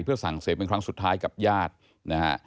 สั่งเสพเป็นครั้งสุดท้ายกับญาตินะฮะ